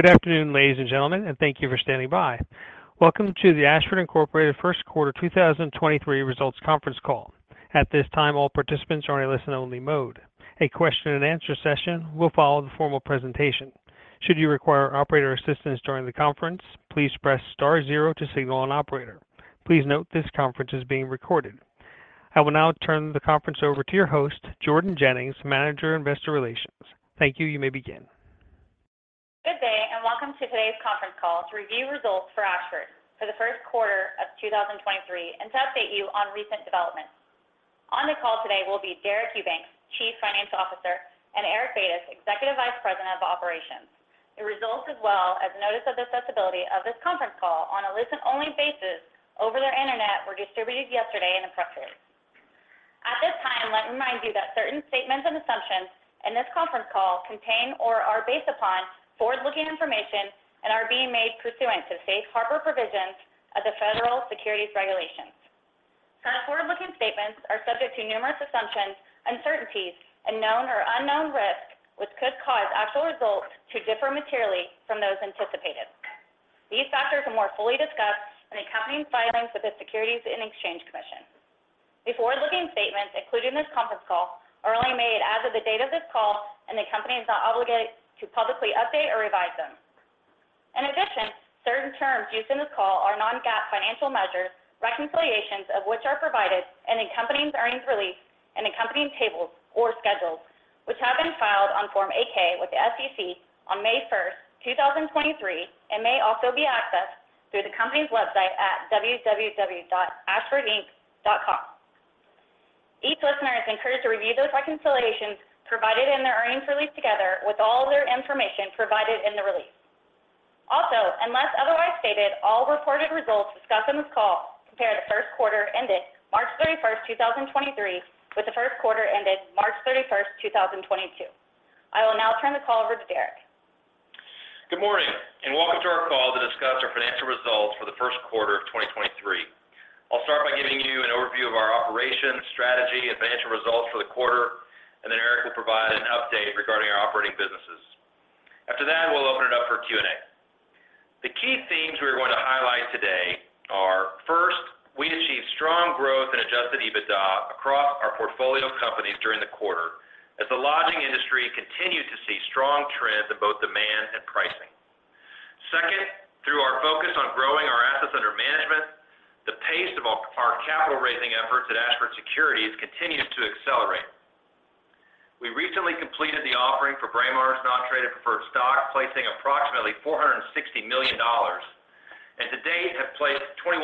Good afternoon, ladies and gentlemen. Thank you for standing by. Welcome to the Ashford Inc. First Quarter 2023 Results Conference Call. At this time, all participants are in a listen-only mode. A question and answer session will follow the formal presentation. Should you require operator assistance during the conference, please press star zero to signal an operator. Please note this conference is being recorded. I will now turn the conference over to your host, Jordan Jennings, Manager of Investor Relations. Thank you. You may begin. Good day, and welcome to today's conference call to review results for Ashford Inc. for the first quarter of 2023 and to update you on recent developments. On the call today will be Deric Eubanks, Chief Financial Officer, and Eric Batis, Executive Vice President, Operations. The results as well as notice of accessibility of this conference call on a listen-only basis over their internet were distributed yesterday in the press release. At this time, let me remind you that certain statements and assumptions in this conference call contain or are based upon forward-looking information and are being made pursuant to safe harbor provisions of the Federal Securities regulations. Such forward-looking statements are subject to numerous assumptions, uncertainties, and known or unknown risks which could cause actual results to differ materially from those anticipated. These factors are more fully discussed in the accompanying filings with the Securities and Exchange Commission. The forward-looking statements included in this conference call are only made as of the date of this call, and the company is not obligated to publicly update or revise them. In addition, certain terms used in this call are non-GAAP financial measures, reconciliations of which are provided in the accompanying earnings release and accompanying tables or schedules, which have been filed on Form 8-K with the SEC on May 1st, 2023, and may also be accessed through the company's website at www.ashfordinc.com. Each listener is encouraged to review those reconciliations provided in their earnings release together with all their information provided in the release. Unless otherwise stated, all reported results discussed on this call compare the first quarter ended March 31, 2023, with the first quarter ended March 31, 2022. I will now turn the call over to Deric. Good morning, welcome to our call to discuss our financial results for the first quarter of 2023. I'll start by giving you an overview of our operations, strategy, and financial results for the quarter, then Eric Batis will provide an update regarding our operating businesses. After that, we'll open it up for Q&A. The key themes we are going to highlight today are, first, we achieved strong growth in adjusted EBITDA across our portfolio of companies during the quarter as the lodging industry continued to see strong trends in both demand and pricing. Second, through our focus on growing our assets under management, the pace of our capital raising efforts at Ashford Securities continues to accelerate. We recently completed the offering for Braemar's non-traded preferred stock, placing approximately $460 million, and to date have placed $21.5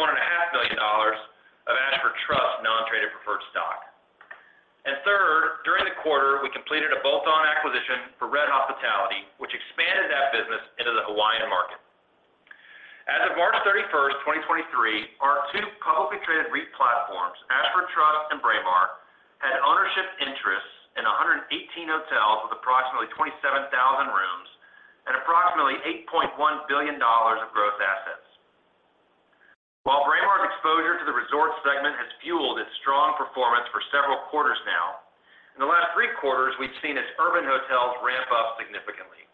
million of Ashford Trust non-traded preferred stock. Third, during the quarter, we completed a bolt-on acquisition for RED Hospitality, which expanded that business into the Hawaiian market. As of March 31, 2023, our two publicly traded REIT platforms, Ashford Trust and Braemar, had ownership interests in 118 hotels with approximately 27,000 rooms and approximately $8.1 billion of gross assets. While Braemar's exposure to the resort segment has fueled its strong performance for several quarters now, in the last three quarters, we've seen its urban hotels ramp up significantly.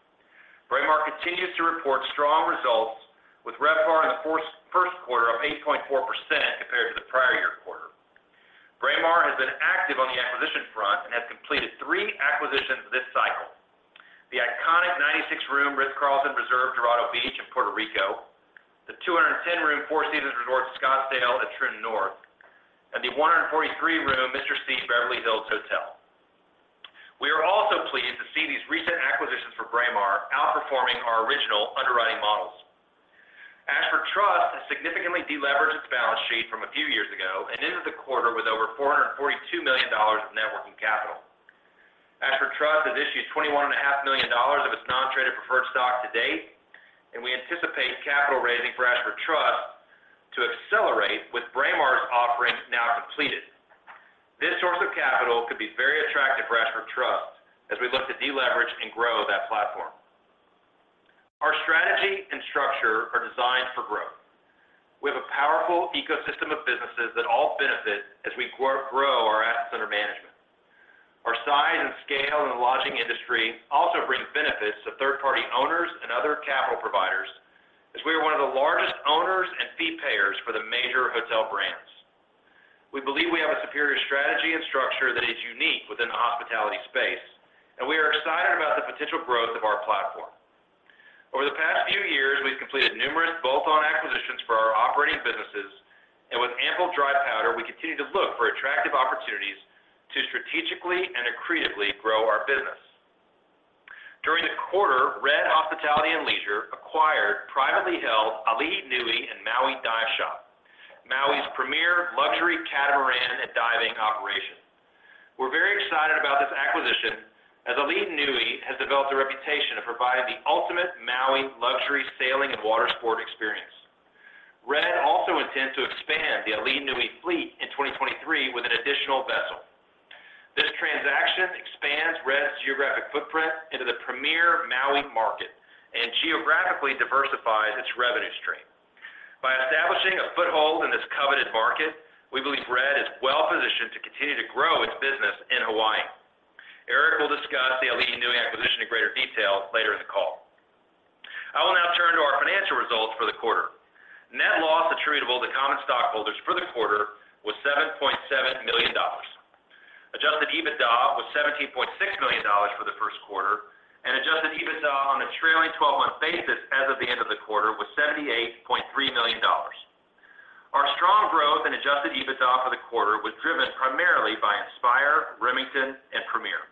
Braemar continues to report strong results with RevPAR in the first quarter of 8.4% compared to the prior year quarter. Braemar has been active on the acquisition front and has completed three acquisitions this cycle. The iconic 96-room Dorado Beach, a Ritz-Carlton Reserve in Puerto Rico, the 210-room Four Seasons Resort Scottsdale at Troon North, and the 143-room Mr. C Beverly Hills. We are also pleased to see these recent acquisitions for Braemar outperforming our original underwriting models. Ashford Trust has significantly deleveraged its balance sheet from a few years ago and ended the quarter with over $442 million of net working capital. Ashford Trust has issued $21.5 million of its non-traded preferred stock to date, and we anticipate capital raising for Ashford Trust to accelerate with Braemar's offerings now completed. This source of capital could be very attractive for Ashford Trust as we look to deleverage and grow that platform. Our strategy and structure are designed for growth. We have a powerful ecosystem of businesses that all benefit as we grow our asset under management. Our size and scale in the lodging industry also brings benefits to third-party owners and other capital providers, as we are one of the largest owners and fee payers for the major hotel brands. We believe we have a superior strategy and structure that is unique within the hospitality space. We are excited about the potential growth of our platform. Over the past few years, we've completed numerous bolt-on acquisitions for our operating businesses. With ample dry powder, we continue to look for attractive opportunities to strategically and accretively grow our business. During the quarter, RED Hospitality & Leisure acquired privately held Ali'i Nui and Maui Dive Shop, Maui's premier luxury catamaran and diving operation. We're very excited about this acquisition, as Ali'i Nui has developed a reputation of providing the ultimate Maui luxury sailing and water sport experience. RED also intends to expand the Ali'i Nui fleet in 2023 with an additional vessel. This transaction expands RED's geographic footprint into the premier Maui market and geographically diversifies its revenue stream. By establishing a foothold in this coveted market, we believe RED is well-positioned to continue to grow its business in Hawaii. Eric will discuss the Ali'i Nui acquisition in greater detail later in the call. I will now turn to our financial results for the quarter. Net loss attributable to common stockholders for the quarter was $7.7 million. Adjusted EBITDA was $17.6 million for the first quarter, and Adjusted EBITDA on a trailing twelve-month basis as of the end of the quarter was $78.3 million. Our strong growth and adjusted EBITDA for the quarter was driven primarily by INSPIRE, Remington, and Premier.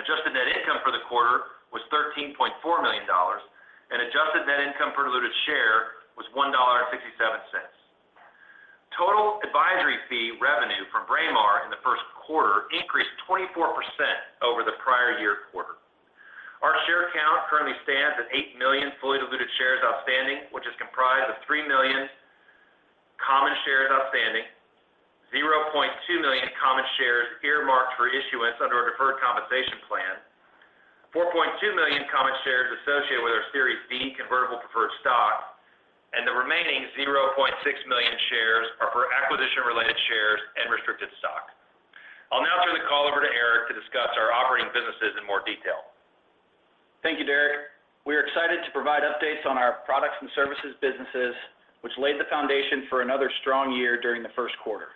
Adjusted net income for the quarter was $13.4 million, and adjusted net income per diluted share was $1.57. Total advisory fee revenue from Braemar in the first quarter increased 24% over the prior year quarter. Our share count currently stands at 8 million fully diluted shares outstanding, which is comprised of 3 million common shares outstanding, 0.2 million common shares earmarked for issuance under a deferred compensation plan, 4.2 million common shares associated with our Series B convertible preferred stock, and the remaining 0.6 million shares are for acquisition-related shares and restricted stock. I'll now turn the call over to Eric to discuss our operating businesses in more detail. Thank you, Deric. We are excited to provide updates on our products and services businesses, which laid the foundation for another strong year during the first quarter.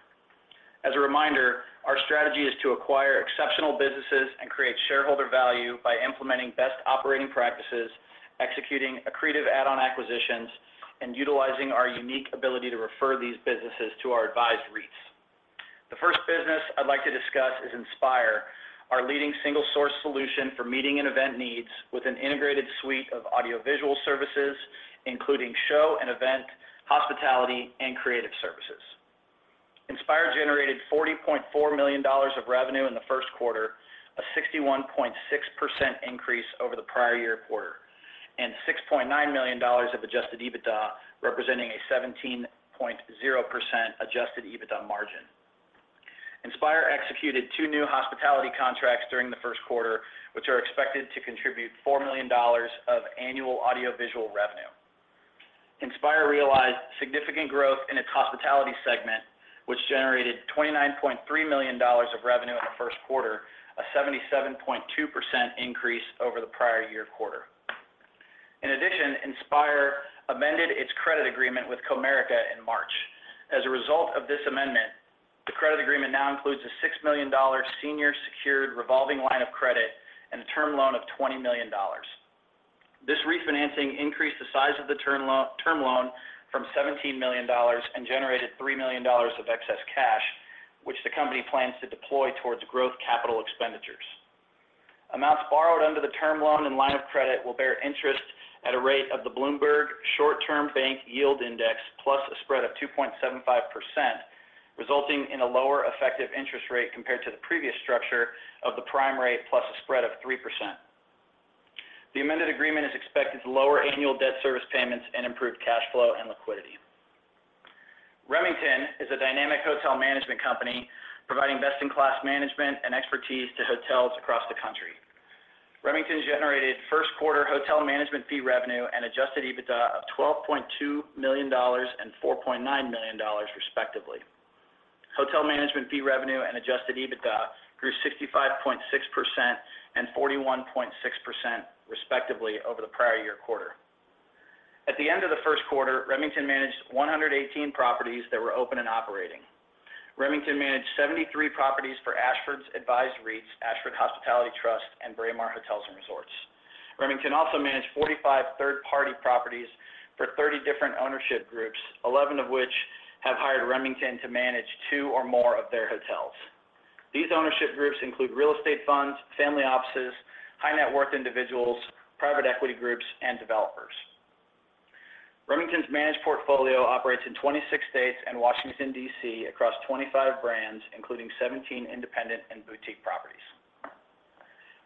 As a reminder, our strategy is to acquire exceptional businesses and create shareholder value by implementing best operating practices, executing accretive add-on acquisitions, and utilizing our unique ability to refer these businesses to our advised REITs. The first business I'd like to discuss is INSPIRE, our leading single-source solution for meeting and event needs with an integrated suite of audiovisual services, including show and event, hospitality, and creative services. INSPIRE generated $40.4 million of revenue in the first quarter, a 61.6% increase over the prior year quarter, and $6.9 million of adjusted EBITDA, representing a 17.0% adjusted EBITDA margin. INSPIRE executed two new hospitality contracts during the first quarter, which are expected to contribute $4 million of annual audiovisual revenue. INSPIRE realized significant growth in its hospitality segment, which generated $29.3 million of revenue in the first quarter, a 77.2% increase over the prior year quarter. In addition, INSPIRE amended its credit agreement with Comerica in March. As a result of this amendment, the credit agreement now includes a $6 million senior secured revolving line of credit and a term loan of $20 million. This refinancing increased the size of the term loan from $17 million and generated $3 million of excess cash, which the company plans to deploy towards growth CapEx. Amounts borrowed under the term loan and line of credit will bear interest at a rate of the Bloomberg Short-Term Bank Yield Index plus a spread of 2.75%, resulting in a lower effective interest rate compared to the previous structure of the prime rate plus a spread of 3%. The amended agreement is expected to lower annual debt service payments and improve cash flow and liquidity. Remington is a dynamic hotel management company providing best-in-class management and expertise to hotels across the country. Remington generated first quarter hotel management fee revenue and adjusted EBITDA of $12.2 million and $4.9 million, respectively. Hotel management fee revenue and adjusted EBITDA grew 65.6% and 41.6%, respectively, over the prior year quarter. At the end of the first quarter, Remington managed 118 properties that were open and operating. Remington managed 73 properties for Ashford's advised REITs, Ashford Hospitality Trust and Braemar Hotels & Resorts. Remington also managed 45 third-party properties for 30 different ownership groups, 11 of which have hired Remington to manage two or more of their hotels. These ownership groups include real estate funds, family offices, high-net-worth individuals, private equity groups, and developers. Remington's managed portfolio operates in 26 states and Washington, D.C., across 25 brands, including 17 independent and boutique properties.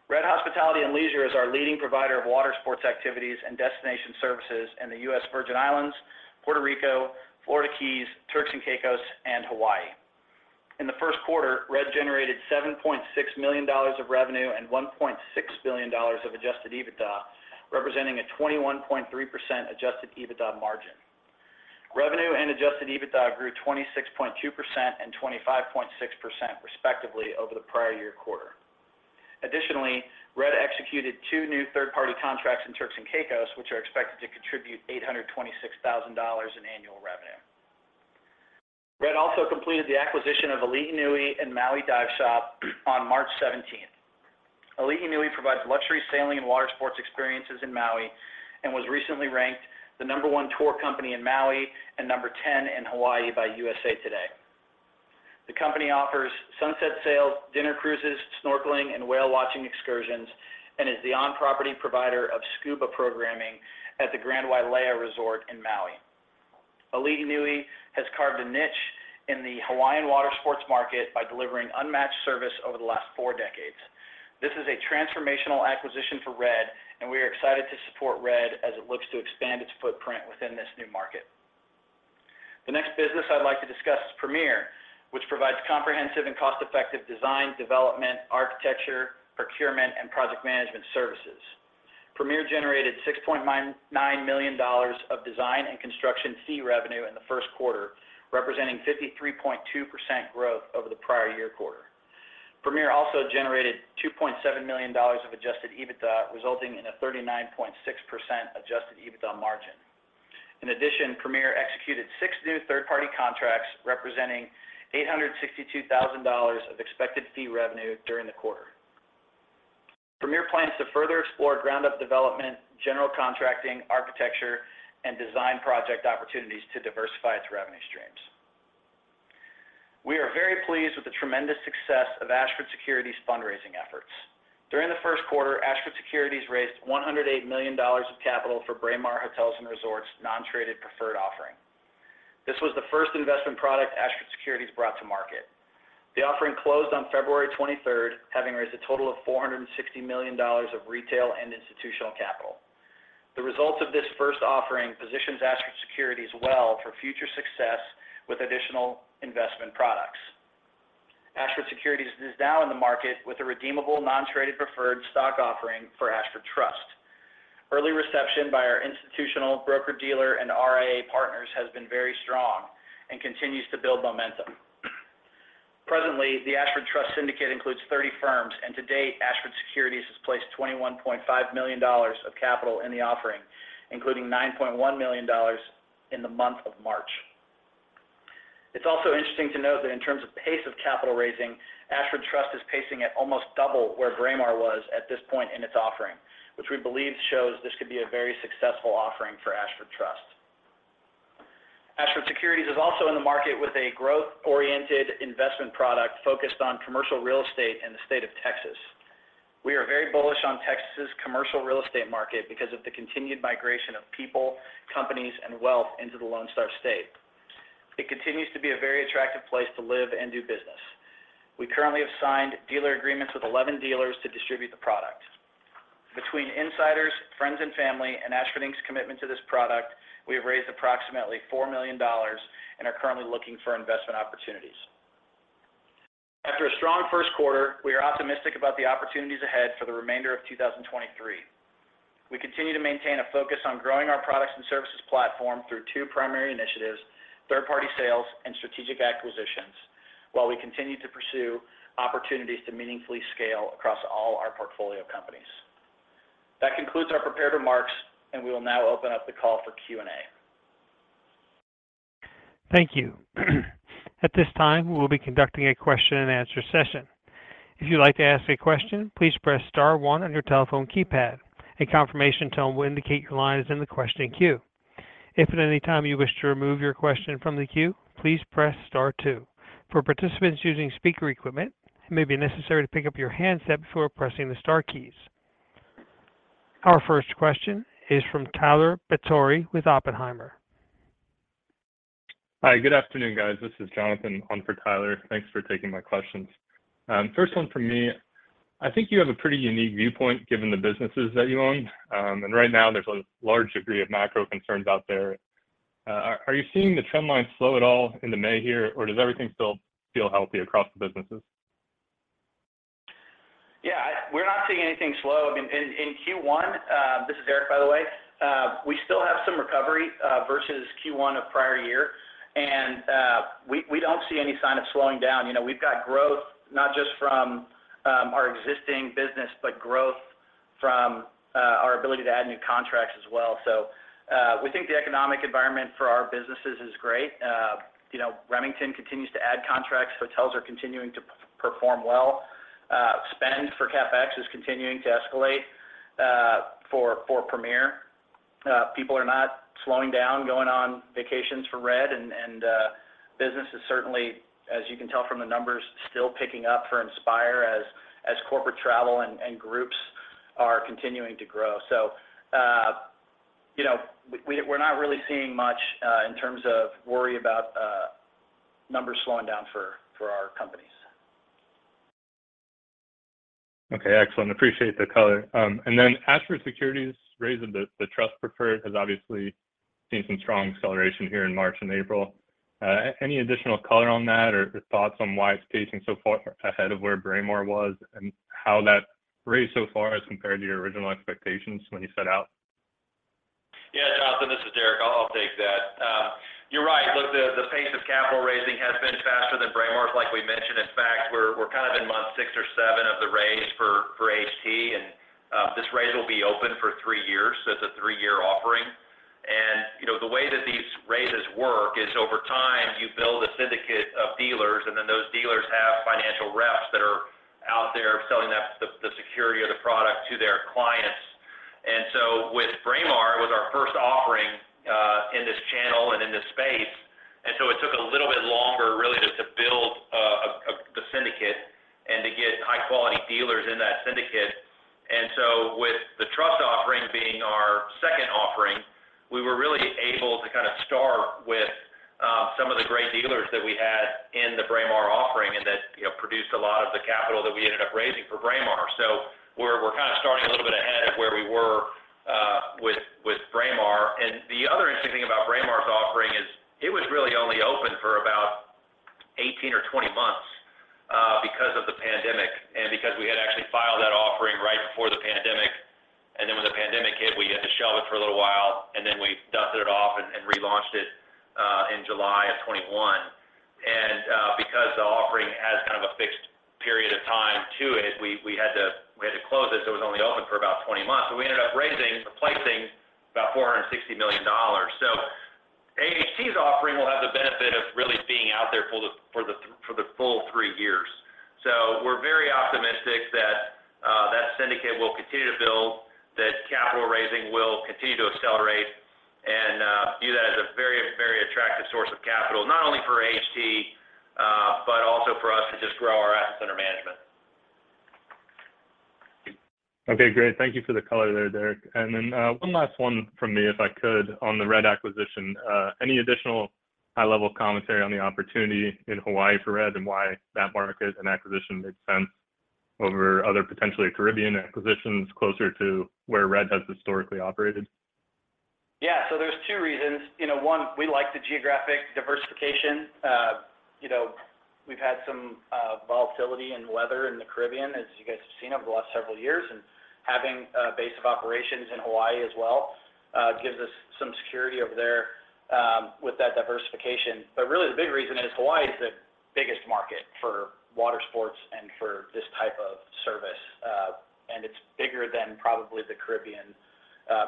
RED Hospitality & Leisure is our leading provider of water sports activities and destination services in the U.S. Virgin Islands, Puerto Rico, Florida Keys, Turks and Caicos, and Hawaii. In the first quarter, RED generated $7.6 million of revenue and $1.6 billion of adjusted EBITDA, representing a 21.3% adjusted EBITDA margin. Revenue and adjusted EBITDA grew 26.2% and 25.6%, respectively, over the prior year quarter. RED executed two new third-party contracts in Turks and Caicos, which are expected to contribute $826,000 in annual revenue. RED also completed the acquisition of Ali'i Nui and Maui Dive Shop on March 17th. Ali'i Nui provides luxury sailing and water sports experiences in Maui and was recently ranked the number one tour company in Maui and number 10 in Hawaii by USA Today. The company offers sunset sails, dinner cruises, snorkeling, and whale watching excursions, and is the on-property provider of scuba programming at the Grand Wailea Resort in Maui. Ali'i Nui has carved a niche in the Hawaiian water sports market by delivering unmatched service over the last four decades. This is a transformational acquisition for RED, and we are excited to support RED as it looks to expand its footprint within this new market. The next business I'd like to discuss is Premier, which provides comprehensive and cost-effective design, development, architecture, procurement, and project management services. Premier generated $6.99 million of design and construction fee revenue in the first quarter, representing 53.2% growth over the prior year quarter. Premier also generated $2.7 million of adjusted EBITDA, resulting in a 39.6% adjusted EBITDA margin. In addition, Premier executed six new third-party contracts representing $862,000 of expected fee revenue during the quarter. Premier plans to further explore ground-up development, general contracting, architecture, and design project opportunities to diversify its revenue streams. We are very pleased with the tremendous success of Ashford Securities' fundraising efforts. During the first quarter, Ashford Securities raised $108 million of capital for Braemar Hotels & Resorts' non-traded preferred offering. This was the first investment product Ashford Securities brought to market. The offering closed on February 23rd, having raised a total of $460 million of retail and institutional capital. The results of this first offering positions Ashford Securities well for future success with additional investment products. Ashford Securities is now in the market with a redeemable non-traded preferred stock offering for Ashford Trust. Early reception by our institutional broker-dealer and RIA partners has been very strong and continues to build momentum. Presently, the Ashford Trust syndicate includes 30 firms, and to date, Ashford Securities has placed $21.5 million of capital in the offering, including $9.1 million in the month of March. It's also interesting to note that in terms of pace of capital raising, Ashford Trust is pacing at almost double where Braemar was at this point in its offering, which we believe shows this could be a very successful offering for Ashford Trust. Ashford Securities is also in the market with a growth-oriented investment product focused on commercial real estate in the state of Texas. We are very bullish on Texas' commercial real estate market because of the continued migration of people, companies, and wealth into the Lone Star State. It continues to be a very attractive place to live and do business. We currently have signed dealer agreements with 11 dealers to distribute the product. Between insiders, friends and family, and Ashford Inc.'s commitment to this product, we have raised approximately $4 million and are currently looking for investment opportunities. After a strong first quarter, we are optimistic about the opportunities ahead for the remainder of 2023. We continue to maintain a focus on growing our products and services platform through two primary initiatives, third-party sales and strategic acquisitions, while we continue to pursue opportunities to meaningfully scale across all our portfolio companies. That concludes our prepared remarks, and we will now open up the call for Q&A. Thank you. At this time, we will be conducting a question and answer session. If you'd like to ask a question, please press star one on your telephone keypad. A confirmation tone will indicate your line is in the questioning queue. If at any time you wish to remove your question from the queue, please press star two. For participants using speaker equipment, it may be necessary to pick up your handset before pressing the star keys. Our first question is from Tyler Batory with Oppenheimer. Hi, good afternoon, guys. This is Jonathan on for Tyler. Thanks for taking my questions. First one from me. I think you have a pretty unique viewpoint given the businesses that you own. Right now, there's a large degree of macro concerns out there. Are you seeing the trend line slow at all in the May here, or does everything still feel healthy across the businesses? We're not seeing anything slow. I mean, in Q1, this is Eric, by the way, we still have some recovery versus Q1 of prior year. We don't see any sign of slowing down. You know, we've got growth not just from our existing business, but growth from our ability to add new contracts as well. We think the economic environment for our businesses is great. You know, Remington continues to add contracts. Hotels are continuing to perform well. Spend for CapEx is continuing to escalate for Premier. People are not slowing down going on vacations for RED and business is certainly, as you can tell from the numbers, still picking up for INSPIRE as corporate travel and groups are continuing to grow. You know, we're not really seeing much in terms of worry about numbers slowing down for our companies. Okay. Excellent. Appreciate the color. Ashford Securities raised the Trust Preferred has obviously seen some strong acceleration here in March and April. Any additional color on that or thoughts on why it's pacing so far ahead of where Braemar was and how that raised so far as compared to your original expectations when you set out? Yeah. Jonathan, this is Deric. I'll take that. You're right. Look, the pace of capital raising has been faster than Braemar's, like we mentioned. In fact, we're kind of in month six or seven of the raise for HT, and this raise will be open for three years, so it's a three-year offering. You know, the way that these raises work is over time you build a syndicate of dealers, and then those dealers have financial reps that are out there selling the security of the product to their clients. With Braemar, it was our first offering in this channel and in this space. It took a little bit longer really to build the syndicate and to get high-quality dealers in that syndicate. With the Trust offering being our second offering, we were really able to kind of start with some of the great dealers that we had in the Braemar offering, and that, you know, produced a lot of the capital that we ended up raising for Braemar. We're, we're kind of starting a little bit ahead of where we were with Braemar. The other interesting thing about Braemar's offering is it was really only open for about 18 or 20 months because of the pandemic and because we had actually filed that offering right before the pandemic. When the pandemic hit, we had to shelve it for a little while, and then we dusted it off and relaunched it in July of 2021. Because the offering has kind of a fixed period of time to it, we had to close it, so it was only open for about 20 months. We ended up raising or placing about $460 million. AHT's offering will have the benefit of really being out there for the full three years. We're very optimistic that that syndicate will continue to build, that capital raising will continue to accelerate and view that as a very, very attractive source of capital. Not only for AHT, but also for us to just grow our asset under management. Okay, great. Thank you for the color there, Deric. Then, one last one from me, if I could, on the RED acquisition. Any additional high-level commentary on the opportunity in Hawaii for RED and why that market and acquisition made sense over other potentially Caribbean acquisitions closer to where RED has historically operated? There's two reasons. You know, one, we like the geographic diversification. You know, we've had some volatility in weather in the Caribbean, as you guys have seen over the last several years. Having a base of operations in Hawaii as well, gives us some security over there with that diversification. Really the big reason is Hawaii is the biggest market for water sports and for this type of service. And it's bigger than probably the Caribbean,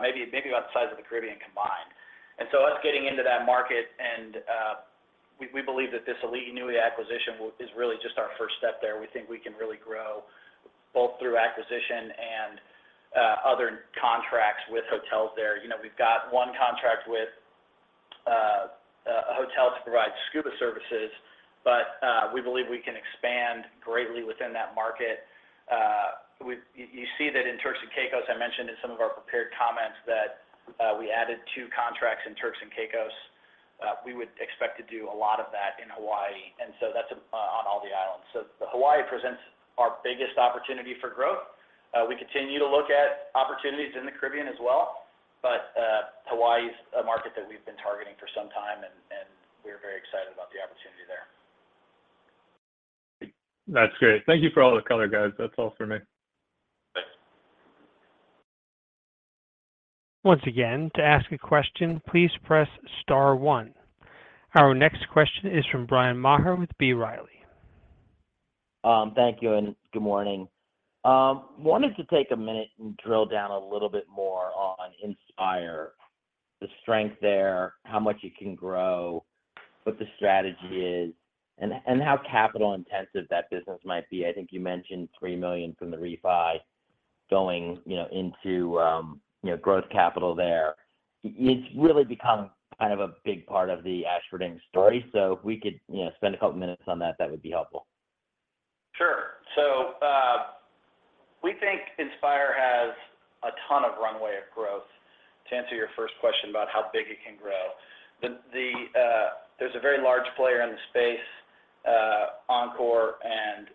maybe about the size of the Caribbean combined. Us getting into that market and we believe that this Ali'i Nui acquisition is really just our first step there. We think we can really grow both through acquisition and other contracts with hotels there. You know, we've got one contract with a hotel to provide scuba services, but we believe we can expand greatly within that market. You see that in Turks and Caicos, I mentioned in some of our prepared comments that we added two contracts in Turks and Caicos. We would expect to do a lot of that in Hawaii, that's on all the islands. Hawaii presents our biggest opportunity for growth. We continue to look at opportunities in the Caribbean as well, but Hawaii is a market that we've been targeting for some time and we're very excited about the opportunity there. That's great. Thank you for all the color, guys. That's all for me. Thanks. Once again, to ask a question, please press star one. Our next question is from Bryan Maher with B. Riley. Thank you and good morning. Wanted to take a minute and drill down a little bit more on INSPIRE, the strength there, how much it can grow, what the strategy is and how capital intensive that business might be. I think you mentioned $3 million from the refi going, you know, into, you know, growth capital there. It's really become kind of a big part of the Ashford Inc. story. If we could, you know, spend a couple of minutes on that would be helpful. Sure. We think INSPIRE has a ton of runway of growth, to answer your first question about how big it can grow. There's a very large player in the space, Encore, and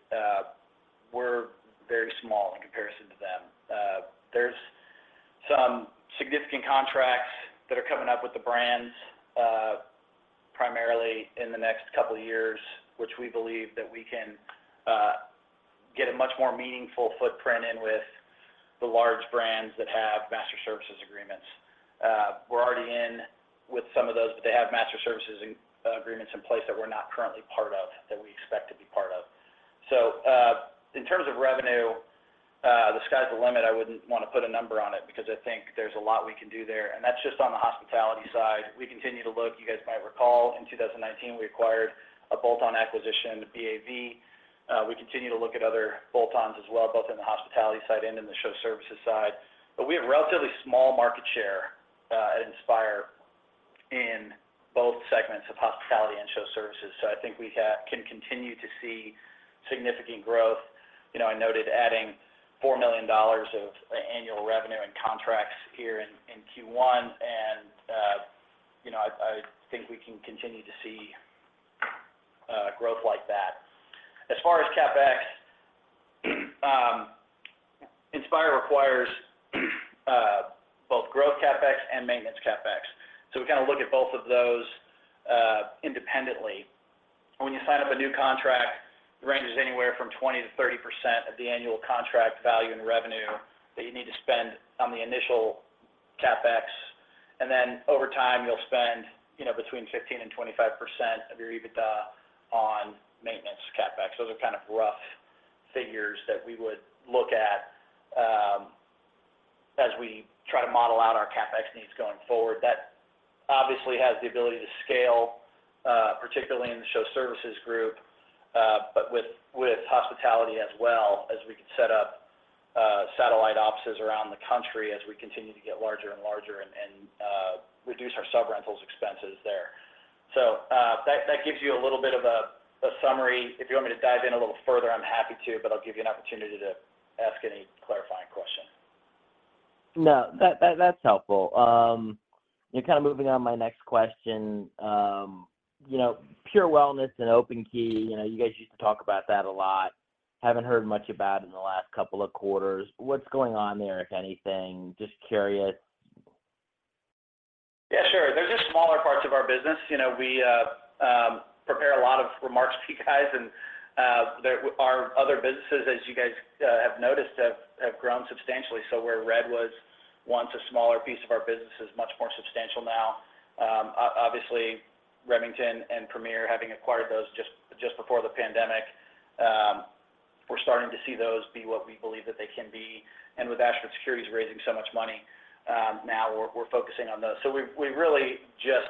we're very small in comparison to them. There's some significant contracts that are coming up with the brands, primarily in the next couple of years, which we believe that we can get a much more meaningful footprint in with the large brands that have master services agreements. We're already in with some of those, but they have master services agreements in place that we're not currently part of, that we expect to be part of. In terms of revenue, the sky's the limit. I wouldn't want to put a number on it because I think there's a lot we can do there. That's just on the hospitality side. We continue to look. You guys might recall in 2019, we acquired a bolt-on acquisition, BAV. We continue to look at other bolt-ons as well, both in the hospitality side and in the show services side. We have relatively small market share at INSPIRE in both segments of hospitality and show services. I think we can continue to see significant growth. You know, I noted adding $4 million of annual revenue and contracts here in Q1, and you know, I think we can continue to see growth like that. As far as CapEx, INSPIRE requires both growth CapEx and maintenance CapEx. We kinda look at both of those independently. When you sign up a new contract, it ranges anywhere from 20%-30% of the annual contract value and revenue that you need to spend on the initial CapEx. Then over time, you'll spend, you know, between 15% and 25% of your EBITDA on maintenance CapEx. Those are kind of rough figures that we would look at as we try to model out our CapEx needs going forward. That obviously has the ability to scale, particularly in the show services group, but with hospitality as well, as we could set up satellite offices around the country as we continue to get larger and larger and reduce our subrentals expenses there. That gives you a little bit of a summary. If you want me to dive in a little further, I'm happy to. I'll give you an opportunity to ask any clarifying questions. That's helpful. Yeah, kinda moving on my next question. You know, Pure Wellness and OpenKey, you know, you guys used to talk about that a lot. Haven't heard much about in the last couple of quarters. What's going on there, if anything? Just curious. Yeah, sure. They're just smaller parts of our business. You know, we prepare a lot of remarks for you guys, and our other businesses, as you guys have noticed, have grown substantially. Where RED was once a smaller piece of our business, is much more substantial now. Obviously, Remington and Premier, having acquired those just before the pandemic, we're starting to see those be what we believe that they can be. With Ashford Securities raising so much money, now we're focusing on those. We really just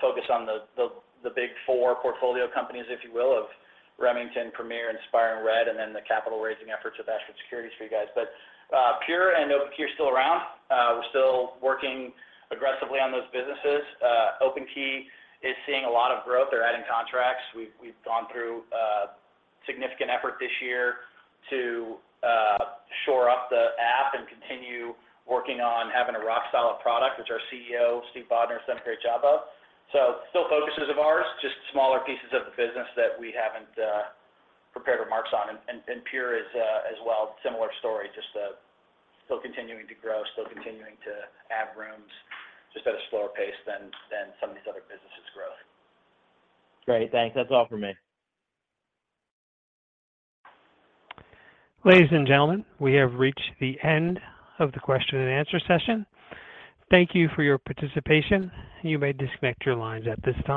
focus on the big four portfolio companies, if you will, of Remington, Premier, INSPIRE, and RED, and then the capital raising efforts of Ashford Securities for you guys. Pure and OpenKey are still around. We're still working aggressively on those businesses. OpenKey is seeing a lot of growth. They're adding contracts. We've gone through significant effort this year to shore up the app and continue working on having a rock solid product, which our CEO, Stephen Bodnar, has done a great job of. Still focuses of ours, just smaller pieces of the business that we haven't prepared remarks on. Pure is as well, similar story, just still continuing to grow, still continuing to add rooms, just at a slower pace than some of these other businesses grow. Great. Thanks. That's all for me. Ladies and gentlemen, we have reached the end of the question and answer session. Thank you for your participation. You may disconnect your lines at this time.